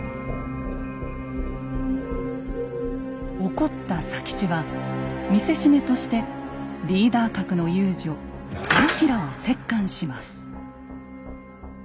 怒った佐吉は見せしめとしてリーダー格の遊女豊平を折檻します。